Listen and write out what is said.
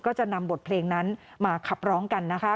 ก็จะนำบทเพลงนั้นมาขับร้องกันนะคะ